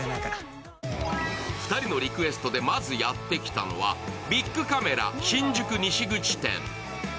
２人のリクエストでまずやってきたのは、ビックカメラ新宿西口店。